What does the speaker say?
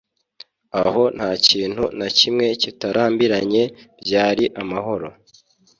aho nta kintu na kimwe kitarambiranye - byari amahoro